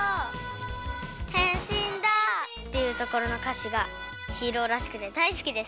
「変身だ」っていうところのかしがヒーローらしくてだいすきです。